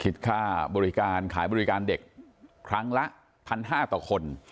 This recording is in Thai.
คิดค่าบริการขายบริการเด็กครั้งละ๑๕๐๐ต่อคน